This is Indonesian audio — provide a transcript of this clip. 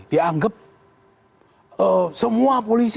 dianggap semua polisi